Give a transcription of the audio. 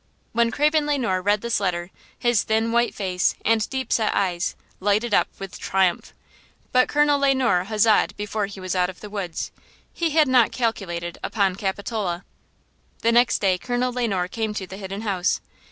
When Craven Le Noir read this letter his thin, white face and deep set eyes lighted up with triumph. But Craven Le Noir huzzaed before he was out of the woods. He had not calculated upon Capitola. The next day Colonel Le Noir came to the Hidden House.